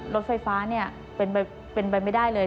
รถไฟฟ้าเป็นไปไม่ได้เลย